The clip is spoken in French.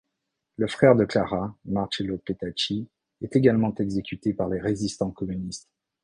Le frère de Clara, Marcello Petacci, est également exécuté par les résistants communistes.